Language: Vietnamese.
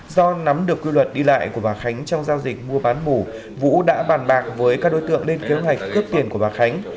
do nắm được quy luật đi lại của bà khánh trong giao dịch mua bán mũ vũ đã bàn bạc với các đối tượng lên kế hoạch cướp tiền của bà khánh